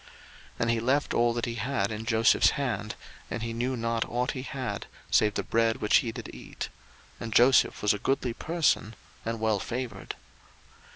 01:039:006 And he left all that he had in Joseph's hand; and he knew not ought he had, save the bread which he did eat. And Joseph was a goodly person, and well favoured.